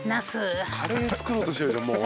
カレー作ろうとしてるでしょ。